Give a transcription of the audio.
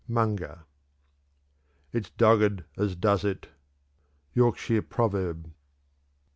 Munger. "It's dogged as does it." _Yorkshire Proverb.